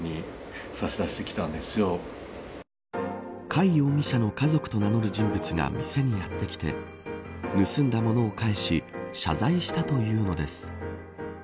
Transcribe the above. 貝容疑者の家族と名乗る人物が店にやってきて盗んだものを返し謝罪したというのです。